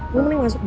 lo mending masuk deh